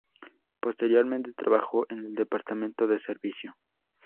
Posteriormente, trabajó en el departamento de servicio.